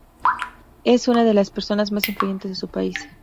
Es una de las personas más influyentes de su país.